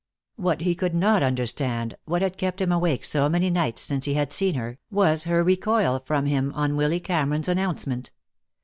What he could not understand, what had kept him awake so many nights since he had seen her, was her recoil from him on Willy Cameron's announcement.